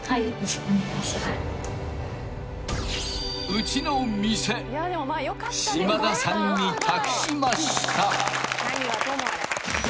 ［ウチの店嶋田さんに託しました］